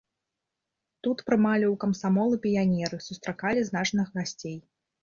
Тут прымалі ў камсамол і піянеры, сустракалі значных гасцей.